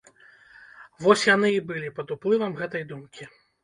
Вось яны і былі пад уплывам гэтай думкі.